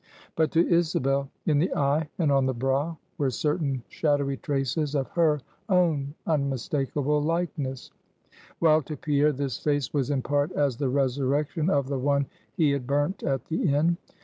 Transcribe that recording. But to Isabel, in the eye and on the brow, were certain shadowy traces of her own unmistakable likeness; while to Pierre, this face was in part as the resurrection of the one he had burnt at the Inn.